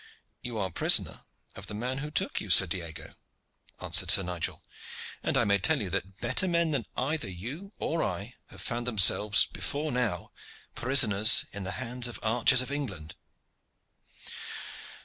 "You are the prisoner of the man who took you, Sir Diego," answered Sir Nigel. "And I may tell you that better men than either you or I have found themselves before now prisoners in the hands of archers of England."